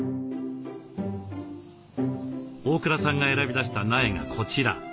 大倉さんが選び出した苗がこちら。